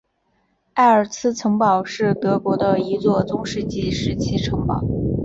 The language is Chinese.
埃尔茨城堡是德国的一座中世纪时期城堡。